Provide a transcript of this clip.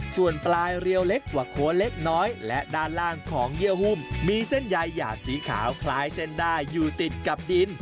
ส่วนปลายเรียวเล็กกว่าโคนเล็กน้อยและด้านล่างของเยื่อหุ้มมีเส้นใยหยาดสีขาวคล้ายเส้นได้อยู่ติดกับดิน